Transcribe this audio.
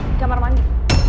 di kamar mandi